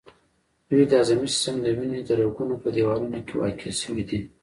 دوی د هضمي سیستم، د وینې د رګونو په دیوالونو کې واقع شوي دي.